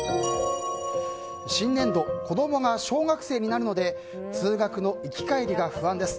新年度、子供が小学生になるので通学の行き帰りが不安です。